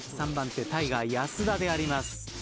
３番手タイガー安田であります。